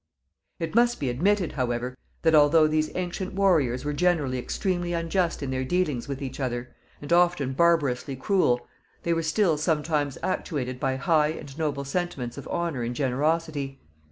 It must be admitted, however, that, although these ancient warriors were generally extremely unjust in their dealings with each other, and often barbarously cruel, they were still sometimes actuated by high and noble sentiments of honor and generosity.